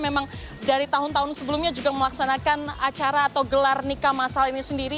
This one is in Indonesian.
memang dari tahun tahun sebelumnya juga melaksanakan acara atau gelar nikah masal ini sendiri